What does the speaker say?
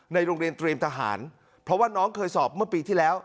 โรงเรียนเตรียมทหารเพราะว่าน้องเคยสอบเมื่อปีที่แล้ว